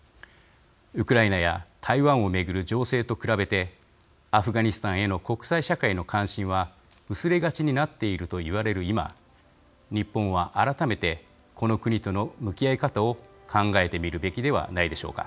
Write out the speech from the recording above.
ウクライナや台湾を巡る情勢と比べて、アフガニスタンへの国際社会の関心は薄れがちになっていると言われる今、日本は改めてこの国との向き合い方を考えてみるべきではないでしょうか。